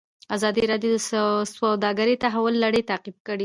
ازادي راډیو د سوداګري د تحول لړۍ تعقیب کړې.